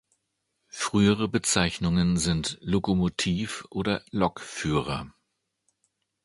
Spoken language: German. Frühere Bezeichnungen sind Lokomotiv- oder Lokführer.